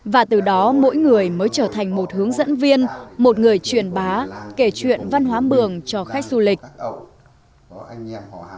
và từ đó mỗi người mới trở thành một hướng dẫn viên một người truyền bá kể chuyện văn hóa mường cho khách du lịch